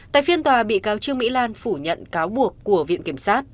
tại phiên tòa bị cáo trương mỹ lan phủ nhận cáo buộc của viện kiểm sát